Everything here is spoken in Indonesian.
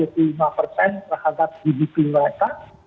terhadap gdp mereka